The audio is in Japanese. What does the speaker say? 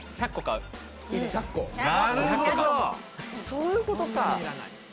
そういうことか！